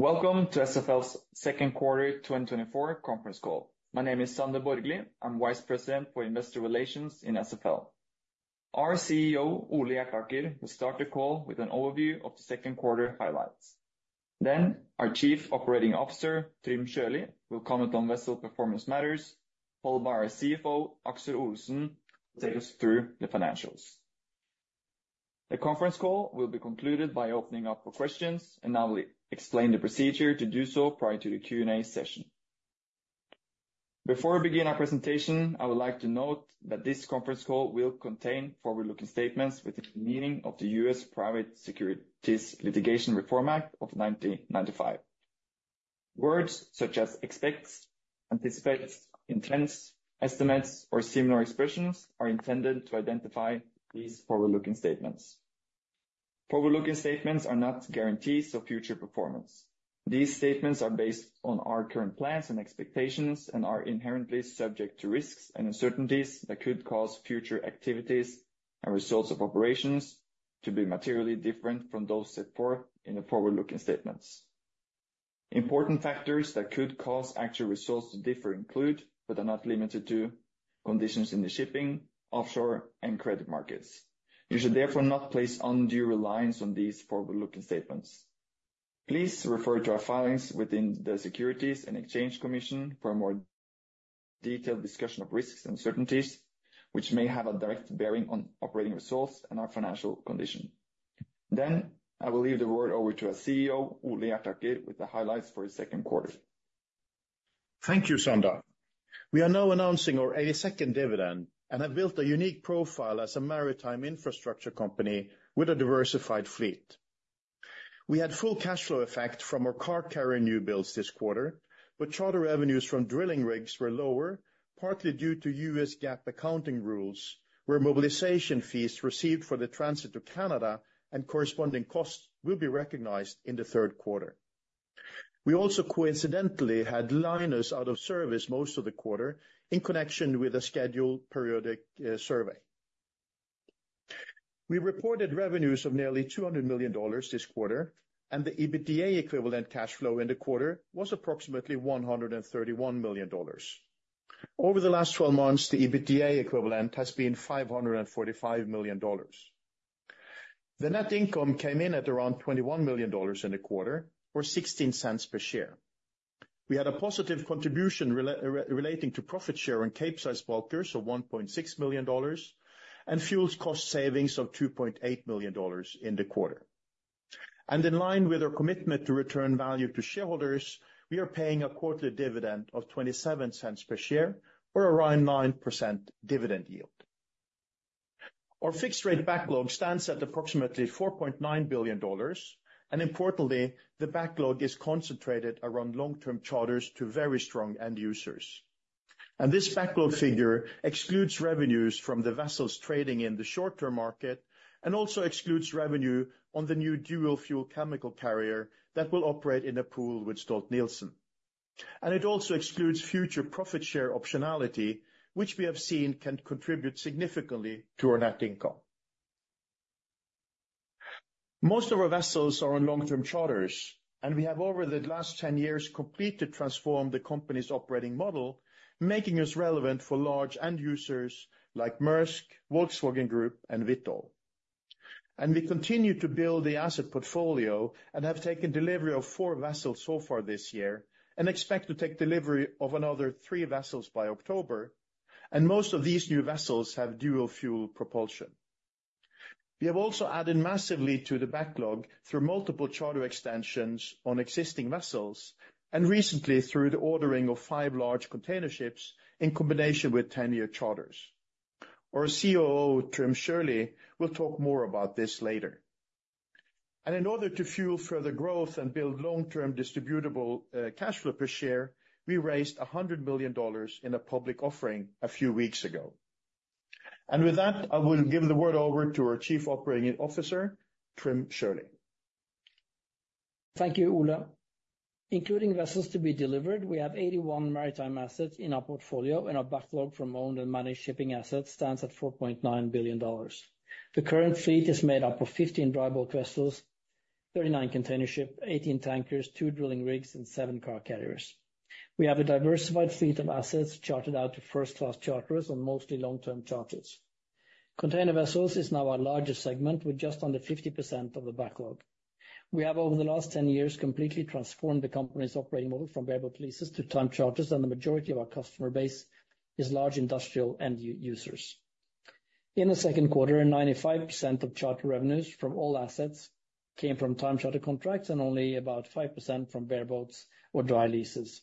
Welcome to SFL's Second Quarter 2024 Conference call. My name is Sander Borgli. I'm Vice President for Investor Relations in SFL. Our CEO, Ole Hjertaker, will start the call with an overview of the second quarter highlights. Then, our Chief Operating Officer, Trym Sjølie, will comment on vessel performance matters, followed by our CFO, Aksel Olesen, will take us through the financials. The conference call will be concluded by opening up for questions, and I will explain the procedure to do so prior to the Q&A session. Before we begin our presentation, I would like to note that this conference call will contain forward-looking statements with the meaning of the U.S. Private Securities Litigation Reform Act of 1995. Words such as expects, anticipates, intends, estimates, or similar expressions are intended to identify these forward-looking statements. Forward-looking statements are not guarantees of future performance. These statements are based on our current plans and expectations and are inherently subject to risks and uncertainties that could cause future activities and results of operations to be materially different from those set forth in the forward-looking statements. Important factors that could cause actual results to differ include, but are not limited to, conditions in the shipping, offshore, and credit markets. You should therefore not place undue reliance on these forward-looking statements. Please refer to our filings within the Securities and Exchange Commission for a more detailed discussion of risks and uncertainties, which may have a direct bearing on operating results and our financial condition. Then, I will leave the word over to our CEO, Ole Hjertaker, with the highlights for the second quarter. Thank you, Sander. We are now announcing our 82nd dividend and have built a unique profile as a maritime infrastructure company with a diversified fleet. We had full cash flow effect from our car carrier new builds this quarter, but charter revenues from drilling rigs were lower, partly due to U.S. GAAP accounting rules, where mobilization fees received for the transit to Canada and corresponding costs will be recognized in the third quarter. We also coincidentally had Linus out of service most of the quarter in connection with a scheduled periodic survey. We reported revenues of nearly $200 million this quarter, and the EBITDA equivalent cash flow in the quarter was approximately $131 million. Over the last 12 months, the EBITDA equivalent has been $545 million. The net income came in at around $21 million in the quarter, or 16 cents per share. We had a positive contribution relating to profit share on Capesize bulkers of $1.6 million, and fuel cost savings of $2.8 million in the quarter. In line with our commitment to return value to shareholders, we are paying a quarterly dividend of 27 cents per share, or around 9% dividend yield. Our fixed rate backlog stands at approximately $4.9 billion, and importantly, the backlog is concentrated around long-term charters to very strong end users. This backlog figure excludes revenues from the vessels trading in the short-term market and also excludes revenue on the new dual fuel chemical carrier that will operate in a pool with Stolt-Nielsen. It also excludes future profit share optionality, which we have seen can contribute significantly to our net income. Most of our vessels are on long-term charters, and we have, over the last 10 years, completely transformed the company's operating model, making us relevant for large end users like Maersk, Volkswagen Group, and Vitol. We continue to build the asset portfolio and have taken delivery of four vessels so far this year and expect to take delivery of another three vessels by October, and most of these new vessels have dual fuel propulsion. We have also added massively to the backlog through multiple charter extensions on existing vessels, and recently through the ordering of five large container ships in combination with 10-year charters. Our COO, Trym Sjølie, will talk more about this later. And in order to fuel further growth and build long-term distributable, cash flow per share, we raised $100 million in a public offering a few weeks ago. And with that, I will give the word over to our Chief Operating Officer, Trym Sjølie. Thank you, Ole. Including vessels to be delivered, we have 81 maritime assets in our portfolio, and our backlog from owned and managed shipping assets stands at $4.9 billion. The current fleet is made up of 15 dry bulk vessels, 39 container ships, 18 tankers, 2 drilling rigs, and 7 car carriers. We have a diversified fleet of assets chartered out to first-class charterers on mostly long-term charters. Container vessels is now our largest segment, with just under 50% of the backlog. We have, over the last 10 years, completely transformed the company's operating model from bareboat leases to time charters, and the majority of our customer base is large industrial end users. In the second quarter, 95% of charter revenues from all assets came from time charter contracts and only about 5% from bareboats or dry leases.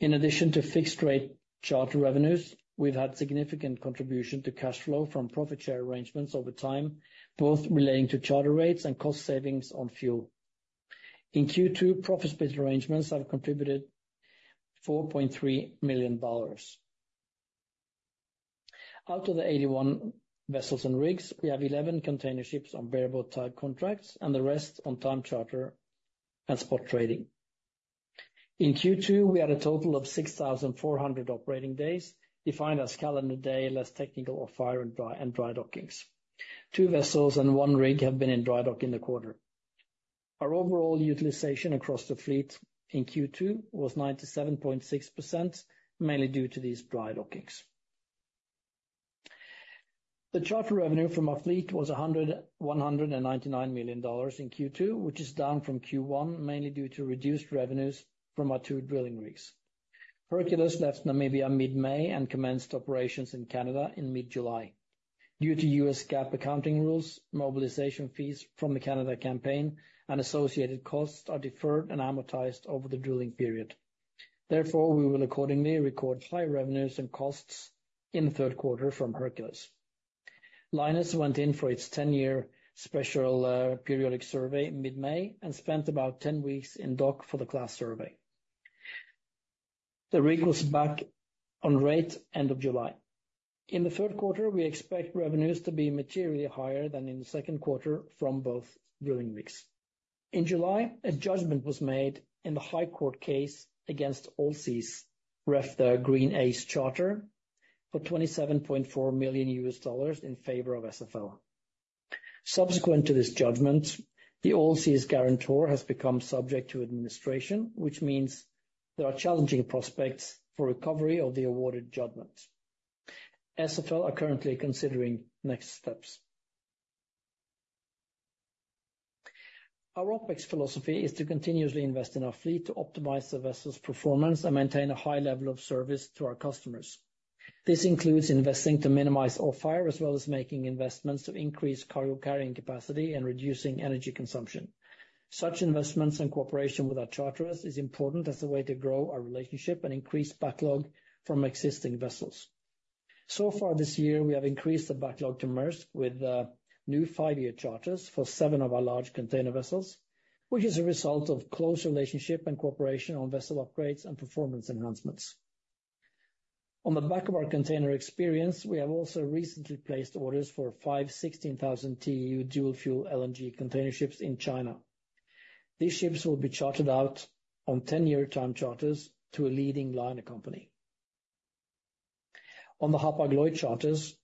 In addition to fixed-rate charter revenues, we've had significant contribution to cash flow from profit share arrangements over time, both relating to charter rates and cost savings on fuel. In Q2, profit share arrangements have contributed $4.3 million. Out of the 81 vessels and rigs, we have 11 container ships on bareboat type contracts and the rest on time charter and spot trading. In Q2, we had a total of 6,400 operating days, defined as calendar day, less technical off-hire and dry dockings. 2 vessels and 1 rig have been in dry dock in the quarter. Our overall utilization across the fleet in Q2 was 97.6%, mainly due to these dry dockings. The charter revenue from our fleet was $199 million in Q2, which is down from Q1, mainly due to reduced revenues from our two drilling rigs. Hercules left Namibia mid-May and commenced operations in Canada in mid-July. Due to U.S. GAAP accounting rules, mobilization fees from the Canada campaign and associated costs are deferred and amortized over the drilling period. Therefore, we will accordingly record high revenues and costs in the third quarter from Hercules. Linus went in for its 10-year Special Periodic Survey mid-May and spent about 10 weeks in dock for the class survey. The rig was back on rate end of July. In the third quarter, we expect revenues to be materially higher than in the second quarter from both drilling rigs. In July, a judgment was made in the High Court case against Allseas, ref the Green Ace charter, for $27.4 million in favor of SFL. Subsequent to this judgment, the Allseas guarantor has become subject to administration, which means there are challenging prospects for recovery of the awarded judgment. SFL are currently considering next steps. Our OpEx philosophy is to continuously invest in our fleet, to optimize the vessel's performance and maintain a high level of service to our customers. This includes investing to minimize off hire, as well as making investments to increase cargo carrying capacity and reducing energy consumption. Such investments and cooperation with our charterers is important as a way to grow our relationship and increase backlog from existing vessels. So far this year, we have increased the backlog to Maersk with new 5-year charters for 7 of our large container vessels, which is a result of close relationship and cooperation on vessel upgrades and performance enhancements. On the back of our container experience, we have also recently placed orders for 5 16,000 TEU dual fuel LNG container ships in China. These ships will be chartered out on 10-year time charters to a leading liner company. On the Hapag-Lloyd charters,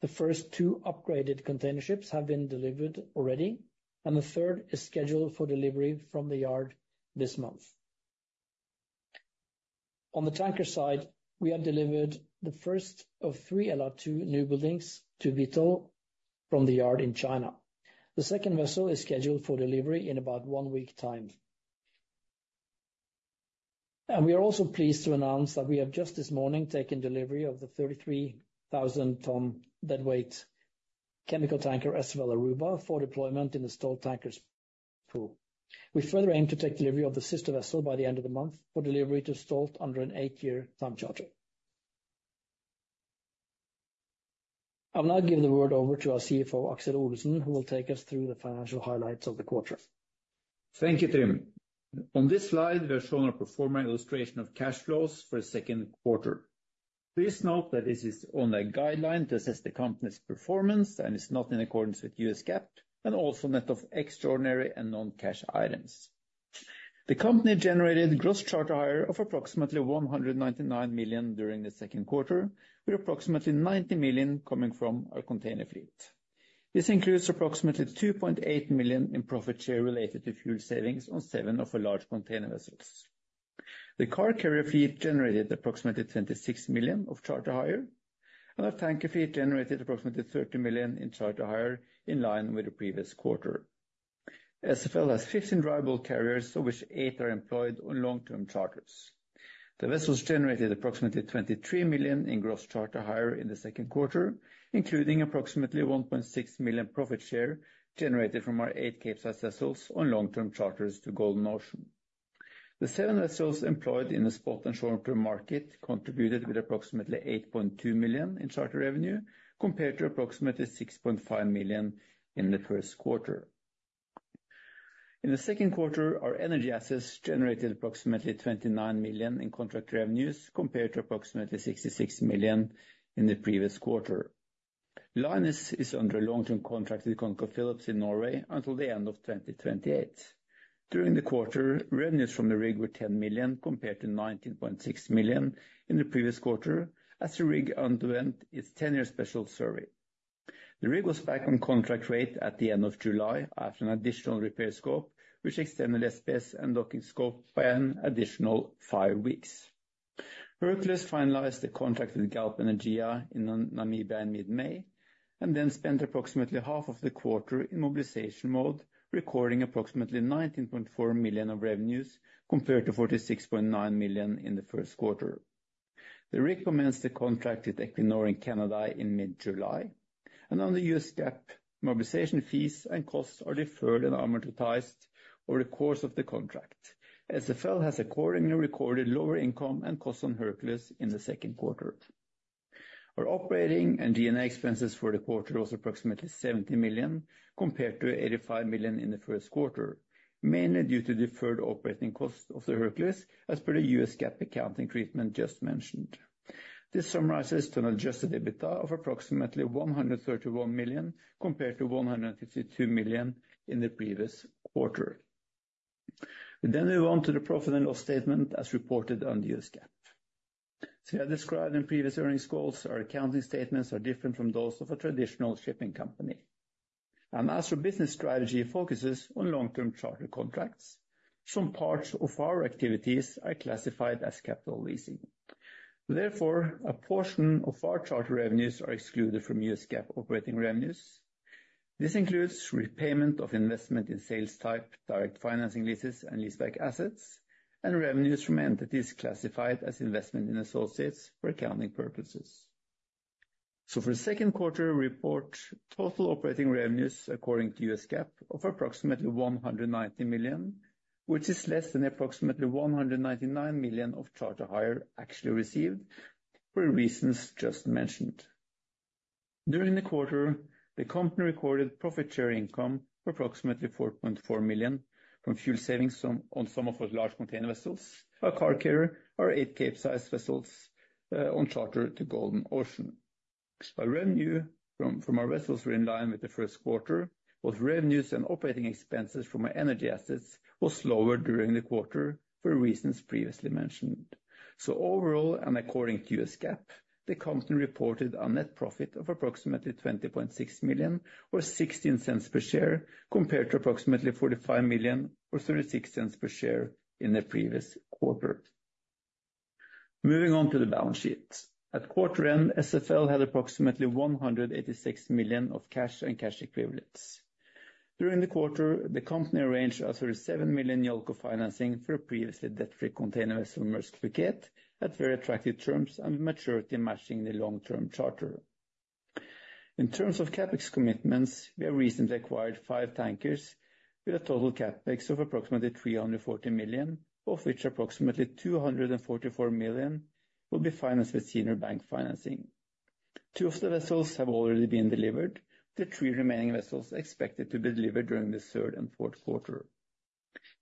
the first 2 upgraded container ships have been delivered already, and the third is scheduled for delivery from the yard this month. On the tanker side, we have delivered the first of 3 LR2 newbuildings to Vitol from the yard in China. The second vessel is scheduled for delivery in about 1 week time. We are also pleased to announce that we have just this morning taken delivery of the 33,000-ton deadweight chemical tanker, SFL Aruba, for deployment in the Stolt Tankers pool. We further aim to take delivery of the sister vessel by the end of the month for delivery to Stolt under an eight-year time charter. I'll now give the word over to our CFO, Aksel Olesen, who will take us through the financial highlights of the quarter. Thank you, Trym. On this slide, we are showing a pro forma illustration of cash flows for the second quarter. Please note that this is only a guideline to assess the company's performance, and is not in accordance with US GAAP, and also net of extraordinary and non-cash items. The company generated gross charter hire of approximately $199 million during the second quarter, with approximately $90 million coming from our container fleet. This includes approximately $2.8 million in profit share related to fuel savings on seven of our large container vessels. The car carrier fleet generated approximately $26 million of charter hire, and our tanker fleet generated approximately $30 million in charter hire in line with the previous quarter. SFL has 15 variable carriers, of which eight are employed on long-term charters. The vessels generated approximately $23 million in gross charter hire in the second quarter, including approximately $1.6 million profit share generated from our 8 Capesize vessels on long-term charters to Golden Ocean. The 7 vessels employed in the spot and short-term market contributed with approximately $8.2 million in charter revenue, compared to approximately $6.5 million in the first quarter. In the second quarter, our energy assets generated approximately $29 million in contract revenues, compared to approximately $66 million in the previous quarter. Linus is under a long-term contract with ConocoPhillips in Norway until the end of 2028. During the quarter, revenues from the rig were $10 million, compared to $19.6 million in the previous quarter, as the rig underwent its 10-year special survey. The rig was back on contract rate at the end of July after an additional repair scope, which extended the SPS and docking scope by an additional five weeks. Hercules finalized the contract with Galp Energia in Namibia in mid-May, and then spent approximately half of the quarter in mobilization mode, recording approximately $19.4 million of revenues, compared to $46.9 million in the first quarter. The rig commenced the contract with Equinor in Canada in mid-July, and under U.S. GAAP, mobilization fees and costs are deferred and amortized over the course of the contract. SFL has accordingly recorded lower income and costs on Hercules in the second quarter. Our operating and G&A expenses for the quarter was approximately $70 million, compared to $85 million in the first quarter, mainly due to deferred operating costs of the Hercules, as per the U.S. GAAP accounting treatment just mentioned. This summarizes to an adjusted EBITDA of approximately $131 million, compared to $152 million in the previous quarter. We then move on to the profit and loss statement as reported on U.S. GAAP. So as described in previous earnings calls, our accounting statements are different from those of a traditional shipping company. And as our business strategy focuses on long-term charter contracts, some parts of our activities are classified as capital leasing. Therefore, a portion of our charter revenues are excluded from U.S. GAAP operating revenues. This includes repayment of investment in sales type, direct financing leases and leaseback assets, and revenues from entities classified as investment in associates for accounting purposes. So for the second quarter, we report total operating revenues according to U.S. GAAP of approximately $190 million, which is less than approximately $199 million of charter hire actually received for reasons just mentioned. During the quarter, the company recorded profit share income of approximately $4.4 million from fuel savings on some of our large container vessels, our car carrier, our eight Capesize vessels on charter to Golden Ocean. Our revenue from our vessels was in line with the first quarter. Both revenues and operating expenses from our energy assets was lower during the quarter for reasons previously mentioned. So overall, and according to U.S. GAAP, the company reported a net profit of approximately $20.6 million, or $0.16 per share, compared to approximately $45 million, or $0.36 per share in the previous quarter. Moving on to the balance sheet. At quarter end, SFL had approximately $186 million of cash and cash equivalents. During the quarter, the company arranged a $37 million JOLCO financing for a previously debt-free container vessel, Maersk Phuket, at very attractive terms and maturity matching the long-term charter. In terms of CapEx commitments, we have recently acquired 5 tankers with a total CapEx of approximately $340 million, of which approximately $244 million will be financed with senior bank financing. 2 of the vessels have already been delivered. The 3 remaining vessels are expected to be delivered during the third and fourth quarter.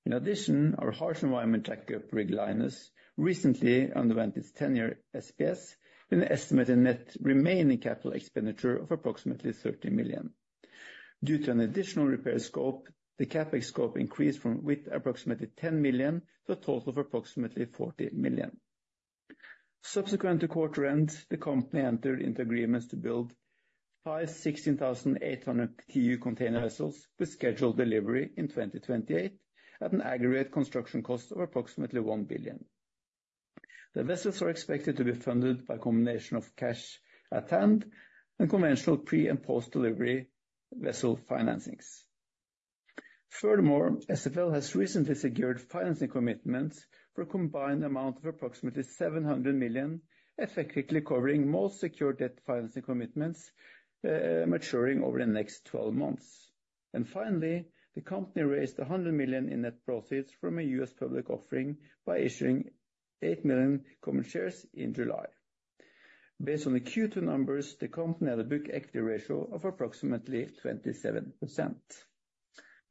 In addition, our harsh environment jack-up, Rig Linus, recently underwent its 10-year SPS with an estimated net remaining capital expenditure of approximately $30 million. Due to an additional repair scope, the CapEx scope increased from with approximately $10 million to a total of approximately $40 million. Subsequent to quarter end, the company entered into agreements to build five 16,800 TEU container vessels, with scheduled delivery in 2028, at an aggregate construction cost of approximately $1 billion. The vessels are expected to be funded by a combination of cash at hand and conventional pre- and post-delivery vessel financings. Furthermore, SFL has recently secured financing commitments for a combined amount of approximately $700 million, effectively covering most secured debt financing commitments maturing over the next twelve months. And finally, the company raised $100 million in net proceeds from a U.S. public offering by issuing 8 million common shares in July. Based on the Q2 numbers, the company had a book equity ratio of approximately 27%.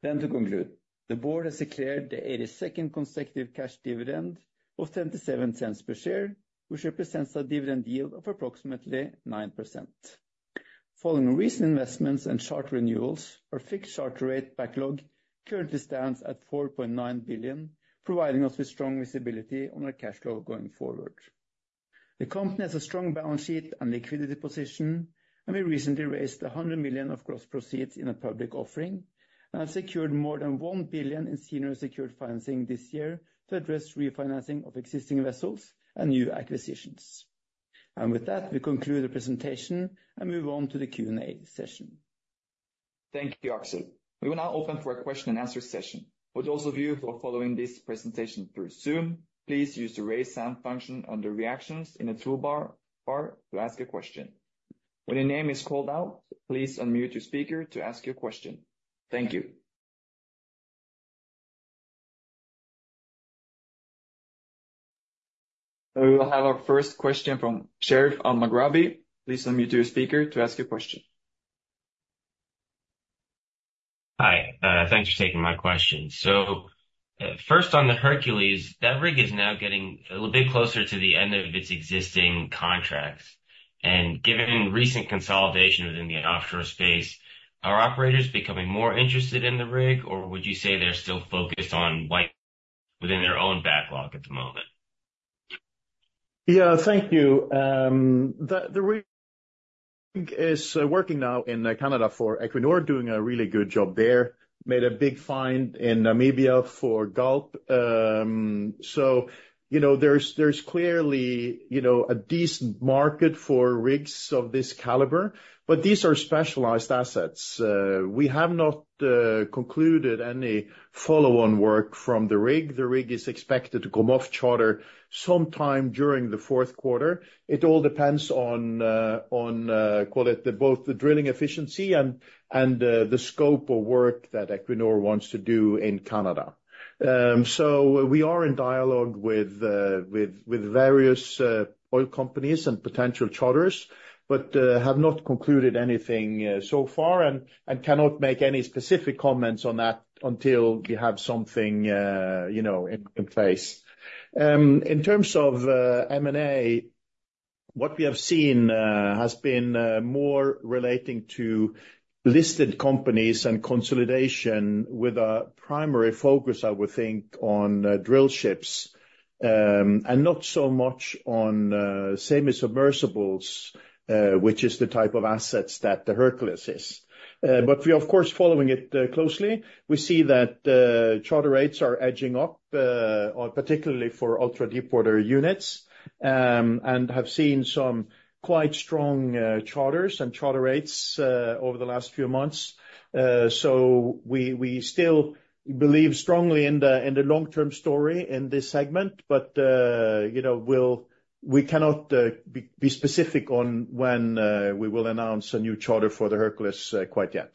To conclude, the board has declared the 82nd consecutive cash dividend of $0.37 per share, which represents a dividend yield of approximately 9%. Following recent investments and charter renewals, our fixed charter rate backlog currently stands at $4.9 billion, providing us with strong visibility on our cash flow going forward. The company has a strong balance sheet and liquidity position, and we recently raised $100 million of gross proceeds in a public offering, and have secured more than $1 billion in senior secured financing this year to address refinancing of existing vessels and new acquisitions. With that, we conclude the presentation and move on to the Q&A session. Thank you, Aksel. We will now open for a question and answer session. For those of you who are following this presentation through Zoom, please use the Raise Hand function under Reactions in the toolbar to ask a question. When your name is called out, please unmute your speaker to ask your question. Thank you. We will have our first question from Sherif Elmaghrabi. Please unmute your speaker to ask your question. Hi, thanks for taking my question. So, first on the Hercules, that rig is now getting a little bit closer to the end of its existing contracts, and given recent consolidation within the offshore space, are operators becoming more interested in the rig, or would you say they're still focused on what within their own backlog at the moment? Yeah, thank you. The rig is working now in Canada for Equinor, doing a really good job there. Made a big find in Namibia for Galp. So, you know, there's clearly, you know, a decent market for rigs of this caliber, but these are specialized assets. We have not concluded any follow-on work from the rig. The rig is expected to come off charter sometime during the fourth quarter. It all depends on call it the both the drilling efficiency and the scope of work that Equinor wants to do in Canada. So we are in dialogue with various oil companies and potential charters, but have not concluded anything so far, and cannot make any specific comments on that until we have something you know in place. In terms of M&A, what we have seen has been more relating to listed companies and consolidation with a primary focus, I would think, on drill ships and not so much on semi-submersibles, which is the type of assets that the Hercules is. But we of course, following it closely, we see that charter rates are edging up on particularly for ultra-deepwater units and have seen some quite strong charters and charter rates over the last few months. So we still believe strongly in the long-term story in this segment, but you know, we cannot be specific on when we will announce a new charter for the Hercules quite yet.